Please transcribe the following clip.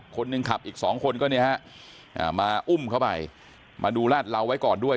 คนขับอีกสองคนก็เนี่ยฮะมาอุ้มเข้าไปมาดูลาดเหลาไว้ก่อนด้วย